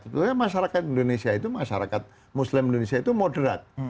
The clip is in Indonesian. sebetulnya masyarakat indonesia itu masyarakat muslim indonesia itu moderat